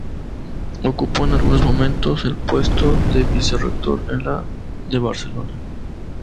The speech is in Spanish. Ocupó en algunos momentos el puesto de vicerrector en la de Barcelona.